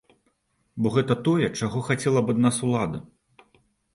Бо гэта тое, чаго хацела б ад нас улада.